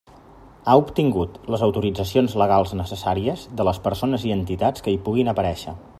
Ha obtingut les autoritzacions legalment necessàries de les persones i entitats que hi puguin aparèixer.